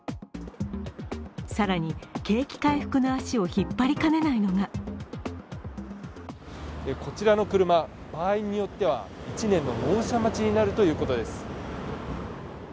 更に、景気回復の足を引っ張りかねないのがこちらの車、場合によっては１年の納車待ちになるということです。